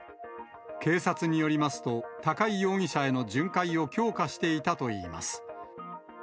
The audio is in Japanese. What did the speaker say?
警察によりますと、高井容疑者への巡回を強化していたといいます。